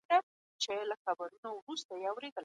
پوهه ولرئ.